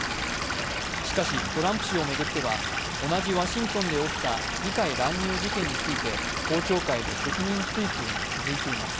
しかし、トランプ氏を巡っては同じワシントンで起きた議会乱入事件について公聴会で責任追及が続いています。